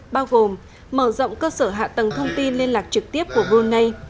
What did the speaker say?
bao gồm mở rộng cơ sở hạ tầng thông tin liên lạc trực tiếp của brunei